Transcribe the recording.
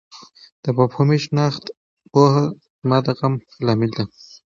د مفهومي شناخت پوهه زما د زغم لامل ده.